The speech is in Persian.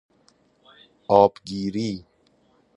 آبگیری